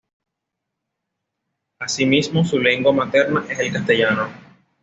Así mismo, su lengua materna es el castellano.